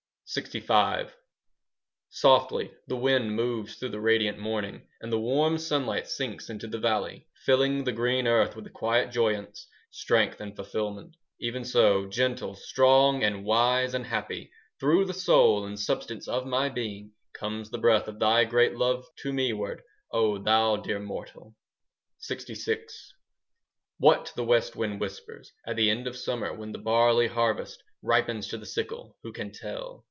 LXV Softly the wind moves through the radiant morning, And the warm sunlight sinks into the valley, Filling the green earth with a quiet joyance, Strength, and fulfilment. Even so, gentle, strong and wise and happy, 5 Through the soul and substance of my being, Comes the breath of thy great love to me ward, O thou dear mortal. LXVI What the west wind whispers At the end of summer, When the barley harvest Ripens to the sickle, Who can tell?